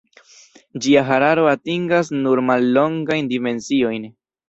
Ĝia hararo atingas nur mallongajn dimensiojn.